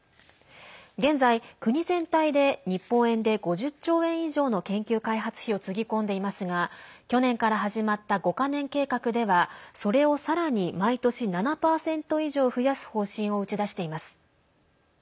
現在、国全体で日本円で５０兆円以上の研究開発費をつぎ込んでいますが去年から始まった５か年計画ではそれをさらに毎年７％以上増やす方針を打ち出しています。